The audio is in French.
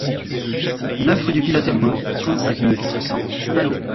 neuf rue du Pilote Hédouin, trente-cinq mille quatre cents Saint-Malo